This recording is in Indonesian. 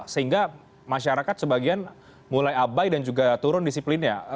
sehingga masyarakat sebagian mulai abai dan juga turun disiplinnya